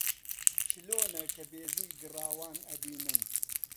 چلۆنە کە بیژووی گڕاوان ئەبینن